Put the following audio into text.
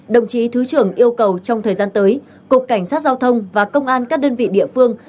đồng chí thứ trưởng yêu cầu trong thời gian tới cục cảnh sát giao thông và công an các đơn vị địa phương